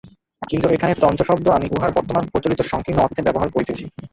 কিন্তু এখানে তন্ত্র শব্দ আমি উহার বর্তমান প্রচলিত সঙ্কীর্ণ অর্থে ব্যবহার করিতেছি।